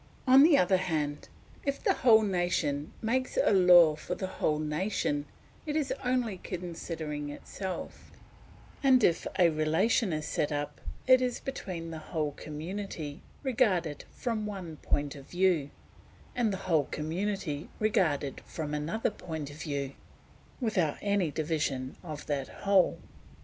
On the other hand, if the whole nation makes a law for the whole nation, it is only considering itself; and if a relation is set up, it is between the whole community regarded from one point of view, and the whole community regarded from another point of view, without any division of that whole.